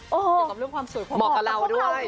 เกี่ยวก็เรื่องความสูตรภพของเราด้วย